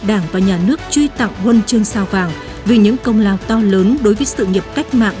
đảng và nhà nước truy tạo huân chương sao vàng vì những công lao to lớn đối với sự nghiệp cách mạng